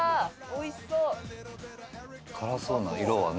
おいしそう！